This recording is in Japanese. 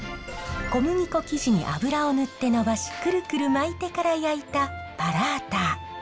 小麦粉生地に油を塗って伸ばしくるくる巻いてから焼いたパラーター。